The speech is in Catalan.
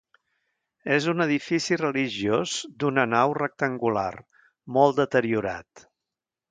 És un edifici religiós d'una nau rectangular, molt deteriorat.